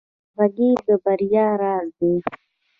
همغږي د بریا راز دی